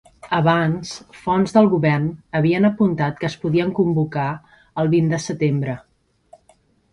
Abans, fonts del govern havien apuntat que es podien convocar el vint de setembre.